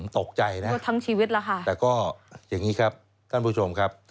ตกใจนะครับทั้งชีวิตแล้วค่ะแต่ก็อย่างนี้ครับท่านผู้ชมครับ